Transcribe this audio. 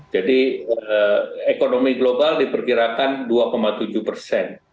jadi ekonomi global diperkirakan dua tujuh persen